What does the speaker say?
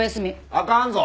あかんぞ！